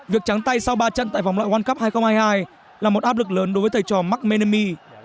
việc trắng tay sau ba trận tại vòng loại world cup hai nghìn hai mươi hai là một áp lực lớn đối với thầy trò mark menemi